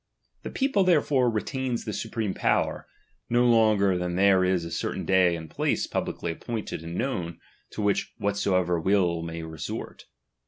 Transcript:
The people, therefore, retains the supreme power, no longer than there is a certain day and place publicly appointed and knovrn, to which whosoever will may resort.